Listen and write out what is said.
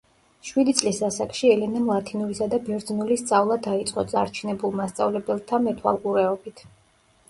შვიდი წლის ასაკში ელენამ ლათინურისა და ბერძნული სწავლა დაიწყო წარჩინებულ მასწავლებელთა მეთვალყურეობით.